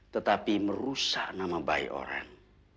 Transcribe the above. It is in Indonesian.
tetapi merusak nama baik orang